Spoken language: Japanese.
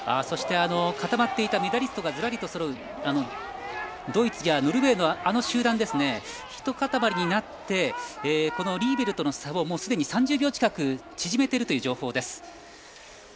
そして固まっていたメダリストがずらりとそろうドイツやノルウェーの集団がひとかたまりになってリーベルとの差をすでに３０秒近く縮めているという情報です。